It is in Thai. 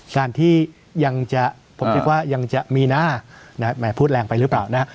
การที่ยังจะผมคิดว่ายังจะมีหน้าแหมพูดแรงไปหรือเปล่านะ